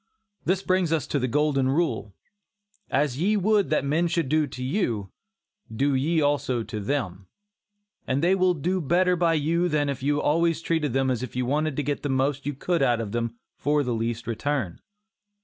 This brings us to the golden rule, "As ye would that men should do to you, do ye also to them," and they will do better by you than if you always treated them as if you wanted to get the most you could out of them for the least return.